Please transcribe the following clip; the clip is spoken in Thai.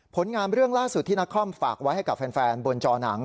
ผลงานเรื่องล่าสุดที่นครฝากไว้ให้กับแฟนบนจอหนัง